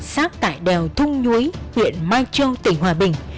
sát tại đèo thung nhuế huyện mai châu tỉnh hòa bình